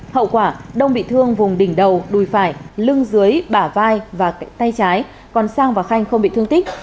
hậu quả đông bị thương vùng đỉnh đầu đùi phải lưng dưới bả vai và tay trái còn sang và khanh không bị thương tích